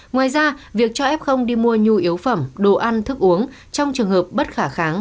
ngoài ra việc cho f đi mua nhu yếu phẩm đồ ăn thức uống trong trường hợp bất khả kháng